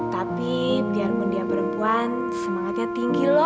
tapi biaru dia perempuan semangatnya tinggi lho